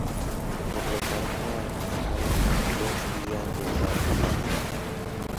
Por lo tanto enlaza dos vías de gran capacidad.